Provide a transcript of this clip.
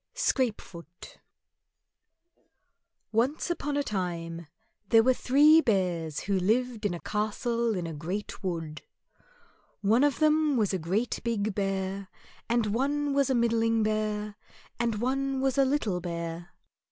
Scrapefoot Once upon a time, there were three Bears who lived in a castle in a great wood. One of them was a great big Bear, and one was a middling Bear, and one was a little Bear.